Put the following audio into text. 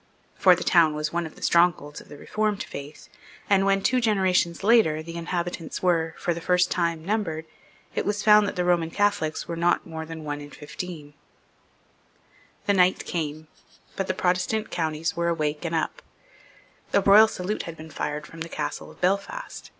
For the town was one of the strongholds of the Reformed Faith, and, when, two generations later, the inhabitants were, for the first time, numbered, it was found that the Roman Catholics were not more than one in fifteen, The night came; but the Protestant counties were awake and up. A royal salute had been fired from the castle of Belfast.